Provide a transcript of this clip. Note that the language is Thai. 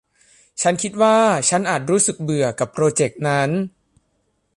ฉันคิดว่าฉันอาจรู้สึกเบื่อกับโปรเจ็กต์นั้น